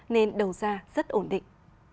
nên đầu ra rất ổn định